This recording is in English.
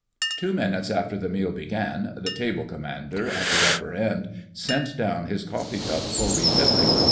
Two minutes after the meal began, the "table commander" at the upper end sent down his coffee cup for re filling.